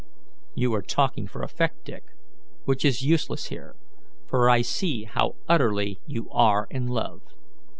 "You are talking for effect, Dick which is useless here, for I see how utterly you are in love."